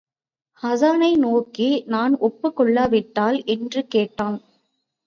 ஹாஸானை நோக்கி, நான் ஒப்புக் கொள்ளாவிட்டால்? என்று கேட்டான்.